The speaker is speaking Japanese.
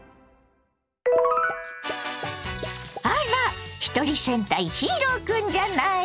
あらひとり戦隊ヒーロー君じゃない。